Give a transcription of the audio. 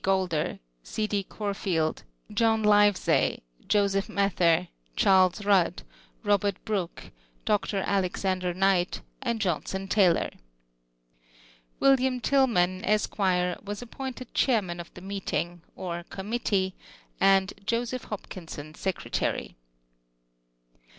Golder, C. D. Corfield, Jolm Livezey, Joseph Mather, Charles Bndd, Robert Brooke, Dr. Alexander Knight, and Jolmson Taylor. Vv'iLLiA^i TiL^KMAX, Esq. was appointed chair man of the meeting, or committee — and, Joseph Hopkissox, secretary.